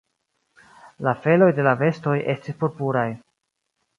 La feloj de la bestoj estis purpuraj.